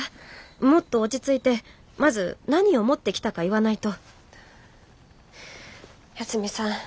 もっと落ち着いてまず何を持ってきたか言わないと八海さん